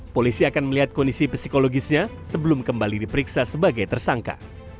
polisi akan melihat kondisi psikologisnya sebelum kembali diperiksa sebagai tersangka